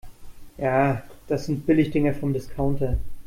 Ja, das sind Billigdinger vom Discounter.